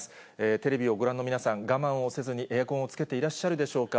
テレビをご覧の皆さん、我慢をせずにエアコンをつけていらっしゃるでしょうか。